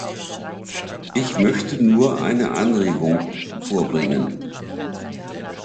Ich möchte nur eine Anregung vorbringen.